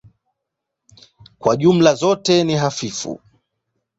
Kwa jumla zote ni hafifu.